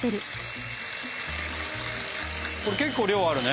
これ結構量あるね。